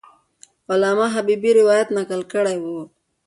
علامه حبیبي روایت نقل کړی وو.